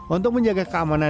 untuk menjaga keamanan